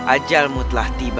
ajalmu telah tiba